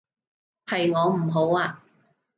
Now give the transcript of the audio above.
係我唔好啊